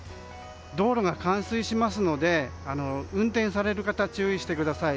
道路が冠水しますので運転される方は注意してください。